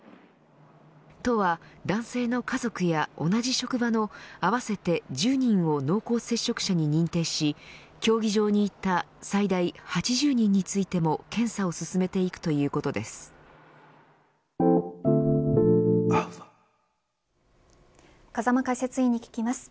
都は、男性の家族や同じ職場の合わせて１０人を濃厚接触者に認定し競技場にいた最大８０人についても検査を風間解説委員に聞きます。